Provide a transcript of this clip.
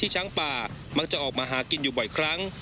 ช้างป่ามักจะออกมาหากินอยู่บ่อยครั้ง